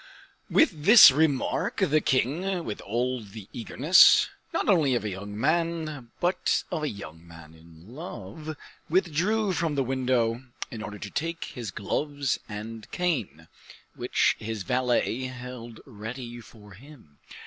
With this remark, the king, with all the eagerness, not only of a young man, but of a young man in love, withdrew from the window, in order to take his gloves and cane, which his valet held ready for him.